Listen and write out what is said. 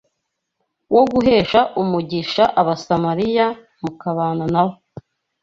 wo guhesha umugisha Abasamariya mu kubana na bo